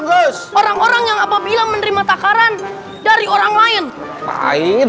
yes orang orang yang apabila menerima takaran dari orang lain